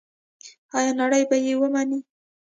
آیا نړۍ به یې ومني؟